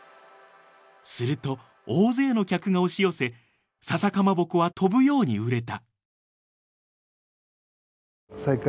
すると大勢の客が押し寄せささかまぼこは飛ぶように売れた。